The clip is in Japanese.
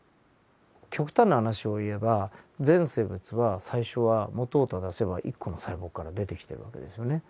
極端な話を言えば全生物は最初は本を正せば１個の細胞から出てきてる訳ですよね。